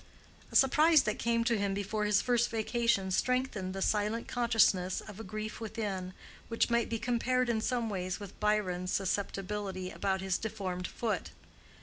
A surprise that came to him before his first vacation strengthened the silent consciousness of a grief within, which might be compared in some ways with Byron's susceptibility about his deformed foot.